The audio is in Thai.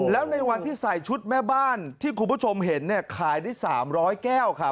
แล้วในวันที่ใส่ชุดแม่บ้านที่คุณผู้ชมเห็นเนี่ยขายได้๓๐๐แก้วครับ